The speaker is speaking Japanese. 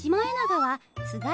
はい。